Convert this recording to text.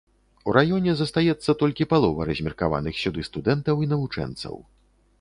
У раёне застаецца толькі палова размеркаваных сюды студэнтаў і навучэнцаў.